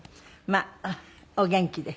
まあお元気で？